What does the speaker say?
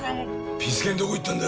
ピス健どこ行ったんだ。